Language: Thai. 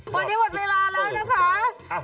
วันนี้หมดเวลาแล้วนะคะ